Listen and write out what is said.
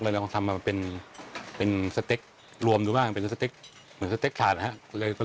ลองทำมาเป็นสเต็กรวมดูบ้างเป็นสเต็กเหมือนสเต็กขาดนะครับ